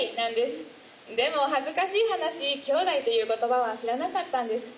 でも恥ずかしい話「きょうだい」という言葉は知らなかったんです。